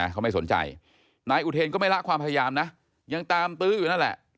เขาไม่สนใจนายอุเทนก็ไม่ละความพยายามนะยังตามตื้ออยู่นั่นแหละ